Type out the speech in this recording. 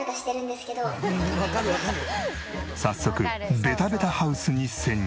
早速ベタベタハウスに潜入。